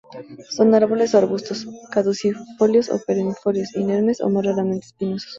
Son árboles o arbustos, caducifolios o perennifolios, inermes o más raramente espinosos.